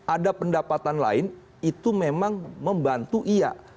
ada pendapatan lain itu memang membantu iya